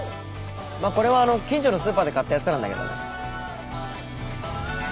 まあこれは近所のスーパーで買ったやつなんだけどね。